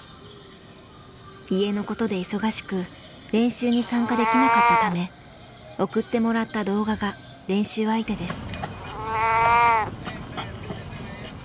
家のことで忙しく練習に参加できなかったため送ってもらった動画が練習相手です。